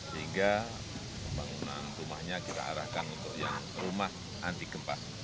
sehingga pembangunan rumahnya kita arahkan untuk yang rumah anti gempa